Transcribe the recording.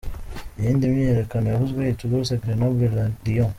Iyindi myiyerekano yavuzwe i Toulouse, Grenoble na Lyon.